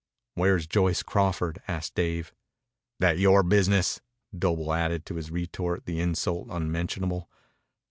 "Where's Joyce Crawford?" asked Dave. "That yore business?" Doble added to his retort the insult unmentionable.